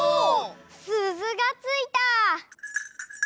すずがついた！